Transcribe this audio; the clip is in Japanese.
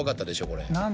これ。